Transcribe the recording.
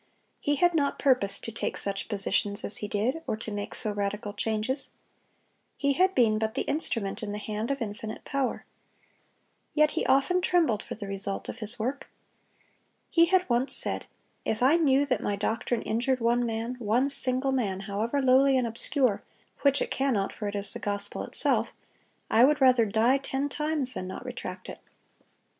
He had not purposed to take such positions as he did, or to make so radical changes. He had been but the instrument in the hand of Infinite Power. Yet he often trembled for the result of his work. He had once said, "If I knew that my doctrine injured one man, one single man, however lowly and obscure,—which it cannot, for it is the gospel itself,—I would rather die ten times than not retract it."